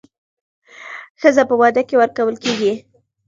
ښځه په واده کې ورکول کېږي